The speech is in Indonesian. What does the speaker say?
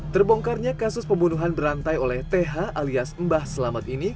terbongkarnya kasus pembunuhan berantai oleh th alias mbah selamat ini